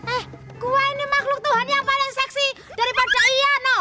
eh gue ini makhluk tuhan yang paling seksi daripada ya no